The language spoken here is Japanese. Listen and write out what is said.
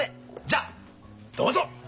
じゃどうぞ！